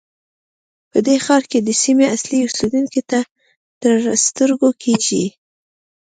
په دې ښار کې د سیمې اصلي اوسېدونکي نه تر سترګو کېږي.